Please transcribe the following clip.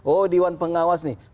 oh dewan pengawas nih